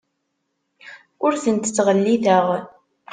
Ur tent-ttɣelliteɣ.